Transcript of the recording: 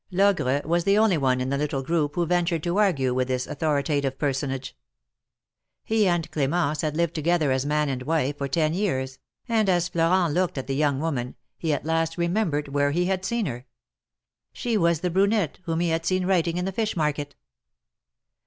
Logre was the only one in the little group who ventured to argue with this authoritative per sonage. He and Clemence had lived together as man and wife for ten years, and as Elorent looked at the young woman, he at last remembered where he had seen her. She was the brunette whom he had seen writing in the fish market.